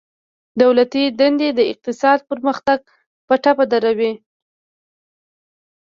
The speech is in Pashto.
دولتي دندي د اقتصاد پرمختګ په ټپه دروي